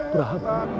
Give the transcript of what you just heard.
kekalahan patih manggala